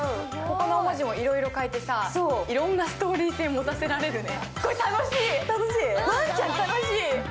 この文字もいろいろ変えていろんなストーリー性持たせられるね。